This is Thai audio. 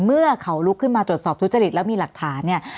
เมื่อเขาลุกขึ้นมาตรวจสอบทุจริตแล้วมีหลักฐานเนี่ย